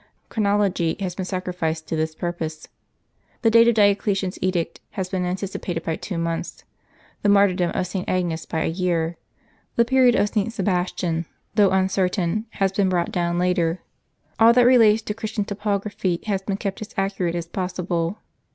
Chronology has been sacrificed to this purpose. The date of Dioclesian' s edict has been anticipated by two months : the martyrdom of St. Agnes by a year; the period of St. Sebastian, though uncertain, has been brought down later. All that relates to Christian topography has been kept as accurate as possible.